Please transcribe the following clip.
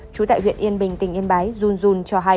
trú tại huyện yên bình tỉnh yên báy run run cho hay